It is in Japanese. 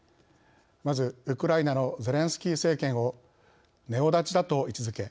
まずウクライナのゼレンスキー政権をネオナチだと位置づけ